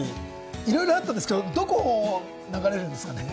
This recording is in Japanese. いろいろあったんですけれど、どこ流れるんですかね？